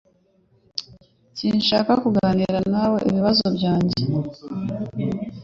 Sinshaka kuganira nawe ibibazo byanjye.